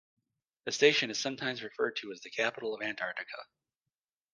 The station is sometimes referred to as the capital of Antarctica.